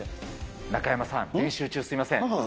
中山さん、練習中、すみません。